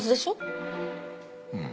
うん。